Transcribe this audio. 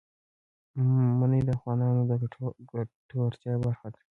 منی د افغانانو د ګټورتیا برخه ده.